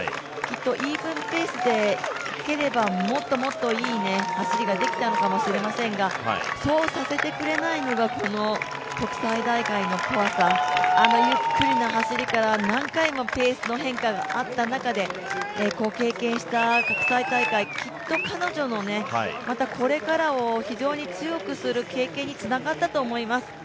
イーブンペースでいければもっともっといい走りができたのかもしれませんが、そうさせてくれないのがこの国際大会の怖さ、あのゆっくりな走りから何回もペースの変化もあった中で経験した国際大会、きっと彼女のこれからを非常に強くする経験につながったと思います。